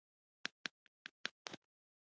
وروسته کيڼ لورته ړنګه شوه.